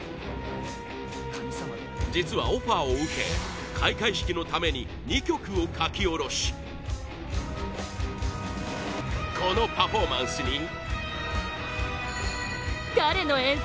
実は、オファーを受け開会式のために２曲を書き下ろしこのパフォーマンスに